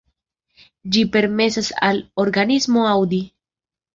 Ĝi permesas al organismo aŭdi.